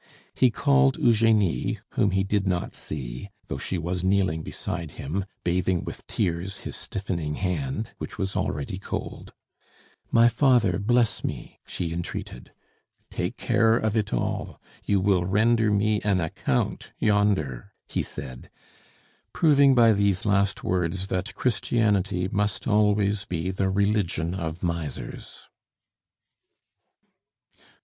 He called Eugenie, whom he did not see, though she was kneeling beside him bathing with tears his stiffening hand, which was already cold. "My father, bless me!" she entreated. "Take care of it all. You will render me an account yonder!" he said, proving by these last words that Christianity must always be the religion of misers.